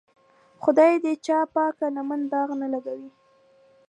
خدای دې د چا پاکه لمن داغ نه لګوي.